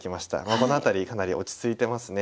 この辺りかなり落ち着いてますね